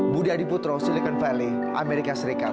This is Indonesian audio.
budi adiputro silicon valley amerika serikat